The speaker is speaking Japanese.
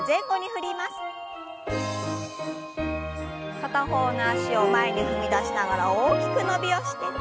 片方の脚を前に踏み出しながら大きく伸びをして。